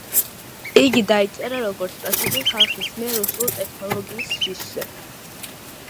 იგი დაიწერა, როგორც პასუხი ხალხის მიერ „უსულო ტექნოლოგიის“ შიშზე.